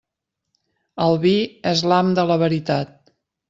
El vi és l'ham de la veritat.